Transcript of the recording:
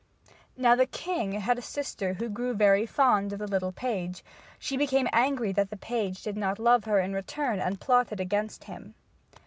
Now the king had a sister who grew very fond of the little page. She became angry that the page did not love her in return and plotted against him.